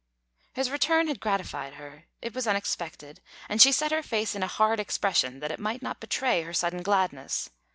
His return had gratified her; it was unexpected, and she set her face in a hard expression that it might not betray her sudden gladness.